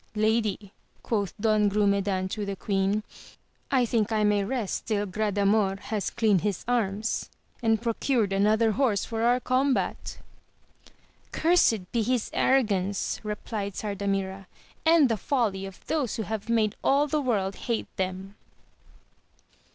Lady, quoth Don Grumedan to the queen, I think I may rest till Gradamor has cleaned his arms, and procured another horse for our combat ! Cursed be his arrogance, replied Sardamira, and the folly of those who have made all the world hate them